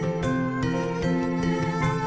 yang menurut saya tentu seperti pak